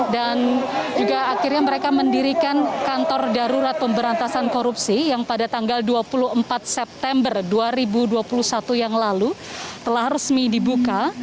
dan juga akhirnya mereka mendirikan kantor darurat pemberantasan korupsi yang pada tanggal dua puluh empat september dua ribu dua puluh satu yang lalu telah resmi dibuka